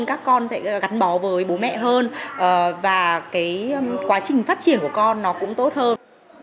các con sẽ gắn bó với bố mẹ hơn và cái quá trình phát triển của con nó cũng tốt hơn